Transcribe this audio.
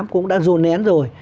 cũng đã dồn nén rồi